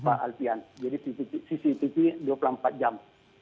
pak alfian jadi cctv dua puluh empat jam